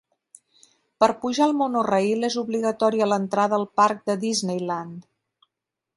Per pujar al Monorail és obligatòria l'entrada al parc de Disneyland.